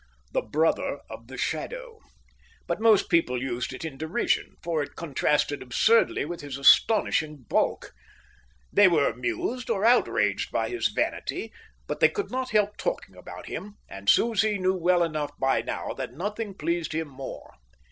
The Brother of the Shadow; but most people used it in derision, for it contrasted absurdly with his astonishing bulk. They were amused or outraged by his vanity, but they could not help talking about him, and Susie knew well enough by now that nothing pleased him more.